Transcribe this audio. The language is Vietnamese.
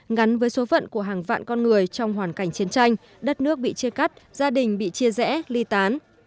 ngắn với số phận của hàng vạn con người trong hoàn cảnh chiến tranh đất nước bị chia cắt gia đình bị chia rẽ ly tán